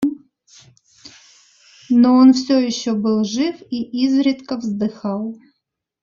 Но он всё еще был жив и изредка вздыхал.